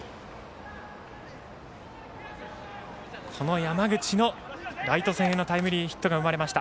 山口のライト線へのタイムリーヒットが生まれました。